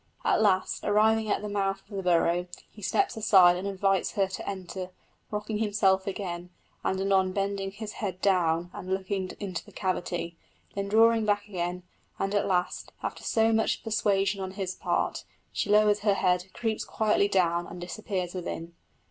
At last, arriving at the mouth of the burrow, he steps aside and invites her to enter, rocking himself again, and anon bending his head down and looking into the cavity, then drawing back again; and at last, after so much persuasion on his part, she lowers her head, creeps quietly down and disappears within.